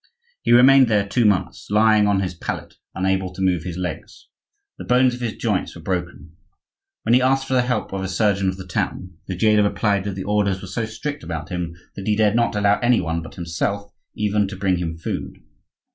He remained there two months, lying on his pallet, unable to move his legs. The bones of his joints were broken. When he asked for the help of a surgeon of the town, the jailer replied that the orders were so strict about him that he dared not allow any one but himself even to bring him food.